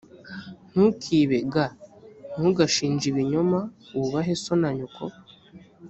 ntukibe g ntugashinje ibinyoma wubahe so na nyoko